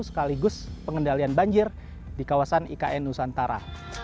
sekaligus pengendalian banjir di kawasan ikn nusantara